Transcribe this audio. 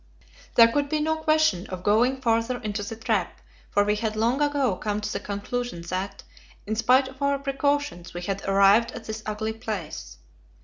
There could be no question of going farther into the trap, for we had long ago come to the conclusion that, in spite of our precautions, we had arrived at this ugly place.